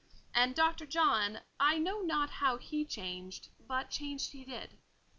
And Dr. John, I know not how he changed, but change he did.